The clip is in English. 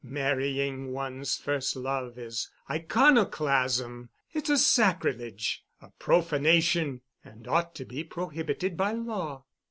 Marrying one's first love is iconoclasm—it's a sacrilege—a profanation—and ought to be prohibited by law.